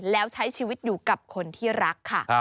แล้วใช้ชีวิตอยู่กับคนที่รักค่ะ